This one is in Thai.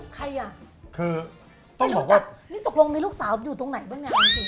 ใครอ่ะไม่รู้จักนี่จริงลูกสาวมีตรงไหนบ้างนะ